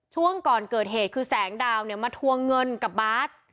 ช่วงก่อนเกิดเหตุคือแสงดาวมาทัวร์เงินกับบ๊าส